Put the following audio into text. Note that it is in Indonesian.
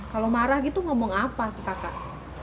kalau marah gitu ngomong apa tuh kakak